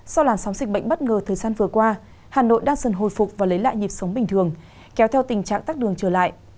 sau làn sóng dịch bệnh bất ngờ thời gian vừa qua hà nội đang dần hồi phục và lấy lại nhịp sống bình thường kéo theo tình trạng tắt đường trở lại